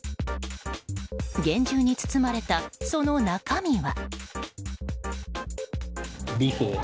厳重に包まれた、その中身は。